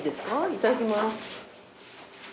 いただきます。